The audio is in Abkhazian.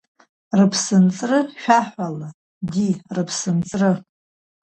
Рыԥсынҵры шәаҳәала, ди, рыԥсынҵры…